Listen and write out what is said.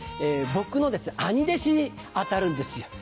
僕のあに弟子に当たるんです。